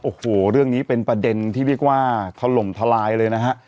โอ้โหเรื่องนี้เป็นประเด็นที่เรียกว่าถล่มทลายเลยนะฮะ